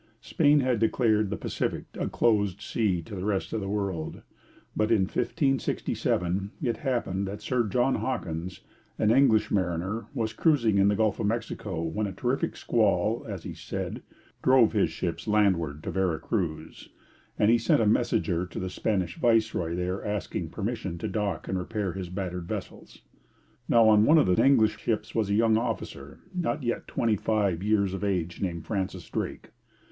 Spain had declared the Pacific 'a closed sea' to the rest of the world. But in 1567 it happened that Sir John Hawkins, an English mariner, was cruising in the Gulf of Mexico, when a terrific squall, as he said, drove his ships landward to Vera Cruz, and he sent a messenger to the Spanish viceroy there asking permission to dock and repair his battered vessels. Now on one of the English ships was a young officer, not yet twenty five years of age, named Francis Drake.